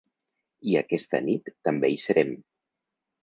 I aquesta nit també hi serem.